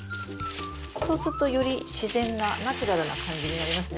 そうするとより自然なナチュラルな感じになりますね。